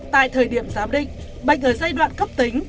tại thời điểm giám định bệnh ở giai đoạn cấp tính